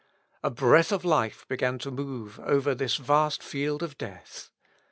A breath of life began to move over this vast field of death.